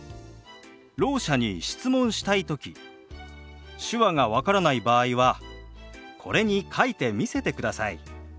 ろう者に質問したい時手話が分からない場合はこれに書いて見せてください。